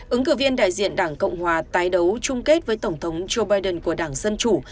ứng cử viên đại diện đảng cộng hòa tái đấu chung kết với tổng thống joe biden của đảng dân chủ